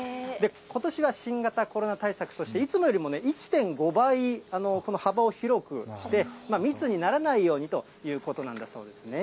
ことしは新型コロナ対策として、いつもよりも１．５倍、幅を広くして、密にならないようにということなんだそうですね。